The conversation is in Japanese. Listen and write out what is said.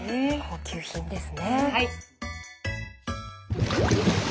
高級品ですね。